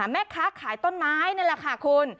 แม่ค้าขายต้นไม้นี่แหละค่ะคุณ